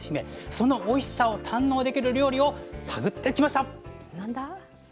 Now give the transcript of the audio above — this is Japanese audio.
そのおいしさを堪能できる料理を探ってきました。